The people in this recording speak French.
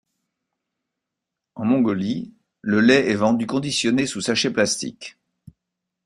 En Mongolie, le lait est vendu conditionné sous sachets plastique.